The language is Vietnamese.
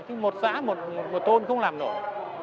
chứ một xã một thôn không làm nổi